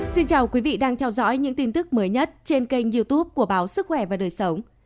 xin chào quý vị đang theo dõi những tin tức mới nhất trên kênh youtube của báo sức khỏe và đời sống